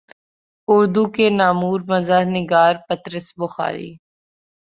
اردو کے نامور مزاح نگار پطرس بخاری